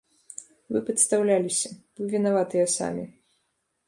Вы падстаўляліся, вы вінаватыя самі.